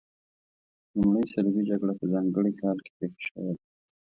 لومړۍ صلیبي جګړه په ځانګړي کال کې پیښه شوې ده.